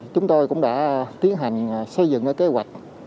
chúng tôi cũng đã tiến hành xây dựng kế hoạch